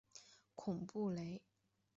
孔布雷。